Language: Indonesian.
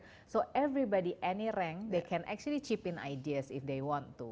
jadi semua orang setiap rang mereka bisa mendapatkan ide jika mereka ingin